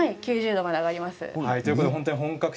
９０度まで上げられます。